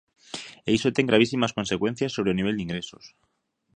E iso ten gravísimas consecuencias sobre o nivel de ingresos.